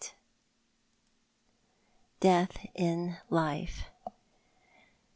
DEATH IN LIFE.